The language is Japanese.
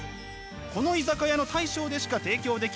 この居酒屋の大将でしか提供できない癒やし。